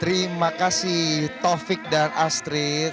terima kasih taufik dan astrid